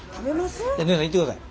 ねえさんいってください。